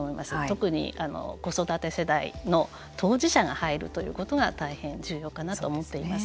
特に子育て世代の当事者が入るということが大変重要かなと思っています。